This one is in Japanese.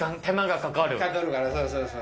かかるから、そうそうそう。